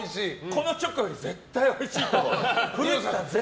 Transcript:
このチョコより絶対においしいと思う。